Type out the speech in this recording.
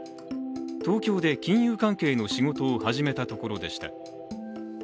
東京で金融関係の仕事を始めたところでした。